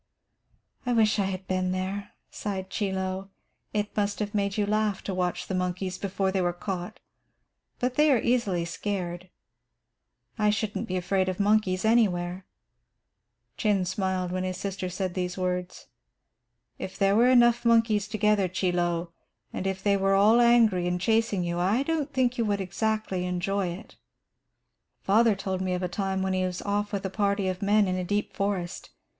"I wish I had been there," sighed Chie Lo. "It must have made you laugh to watch the monkeys before they were caught. But they are easily scared. I shouldn't be afraid of monkeys anywhere." Chin smiled when his sister said these words. "If there were enough monkeys together, Chie Lo, and if they were all angry and chasing you, I don't think you would exactly enjoy it. "Father told me of a time when he was off with a party of men in a deep forest.